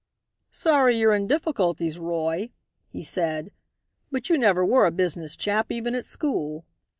"Sorry you're in difficulties, Roy," he said, "but you never were a business chap even at school."